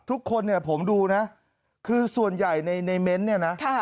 ทุกคนเนี่ยผมดูนะคือส่วนใหญ่ในเม้นต์เนี่ยนะ